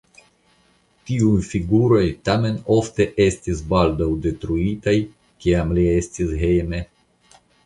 Tiuj figuroj tamen ofte estis baldaŭ detruitaj, kiam li estis hejme.